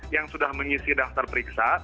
yang sudah mengisi daftar periksa